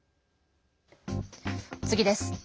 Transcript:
次です。